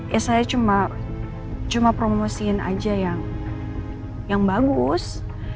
ya saya cuma promosiin aja yang bagus